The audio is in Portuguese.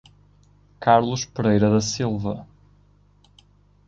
Carlos Pereira da Silva